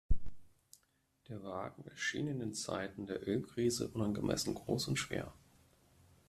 Der Wagen erschien in den Zeiten der Ölkrise unangemessen groß und schwer.